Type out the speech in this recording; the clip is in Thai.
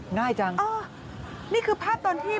ง่ายจังอ๋อนี่คือภาพตอนที่